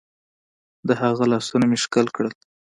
د هغه لاسونه مې ښكل كړل.